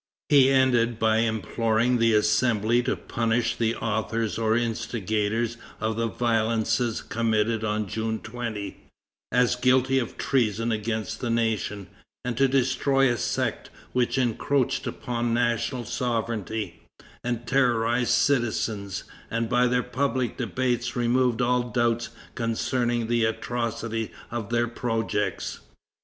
He ended by imploring the Assembly to punish the authors or instigators of the violences committed on June 20, as guilty of treason against the nation, and to destroy a sect which encroached upon National Sovereignty, and terrorized citizens, and by their public debates removed all doubts concerning the atrocity of their projects.